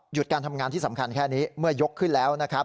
หยุดการทำงานที่สำคัญแค่นี้เมื่อยกขึ้นแล้ว